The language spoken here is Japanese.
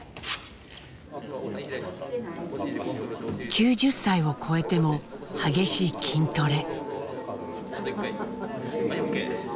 ９０歳をこえても激しい筋トレ。